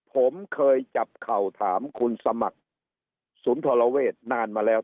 ผมเคยจับเข่าถามคุณสมัครสุนทรเวทนานมาแล้ว